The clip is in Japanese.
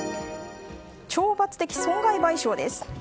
懲罰的損害賠償です。